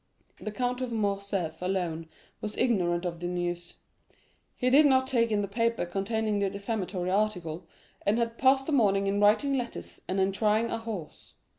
The Count of Morcerf alone was ignorant of the news. He did not take in the paper containing the defamatory article, and had passed the morning in writing letters and in trying a horse.